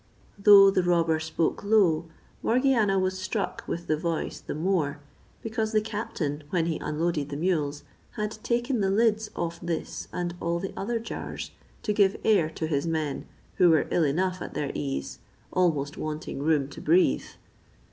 Though the robber spoke low, Morgiana was struck with the voice the more, because the captain, when he unloaded the mules, had taken the lids off this and all the other jars to give air to his men, who were ill enough at their ease, almost wanting room to breathe.